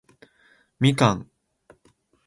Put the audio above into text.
蜜柑